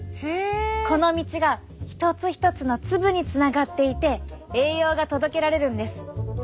この道が一つ一つの粒につながっていて栄養が届けられるんです。